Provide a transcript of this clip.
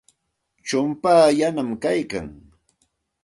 Chumpaa yanami kaykan.